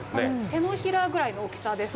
手のひらぐらいの大きさです